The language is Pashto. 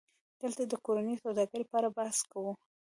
دلته د کورنۍ سوداګرۍ په اړه بحث کوو